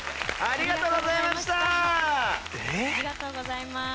ありがとうございます。